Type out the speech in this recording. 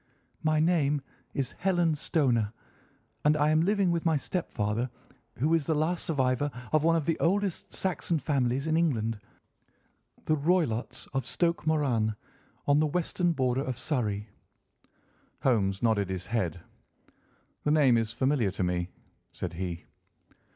"My name is Helen Stoner, and I am living with my stepfather, who is the last survivor of one of the oldest Saxon families in England, the Roylotts of Stoke Moran, on the western border of Surrey." Holmes nodded his head. "The name is familiar to me," said he.